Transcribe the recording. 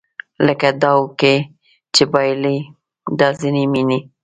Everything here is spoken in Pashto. لکه داو کې چې بایلي دا ځینې مینې